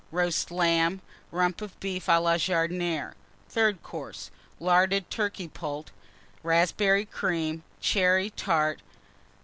Roast Lamb. Rump of Beef à la Jardinière. THIRD COURSE. Larded Turkey Poult. Raspberry Cream. Cherry Tart.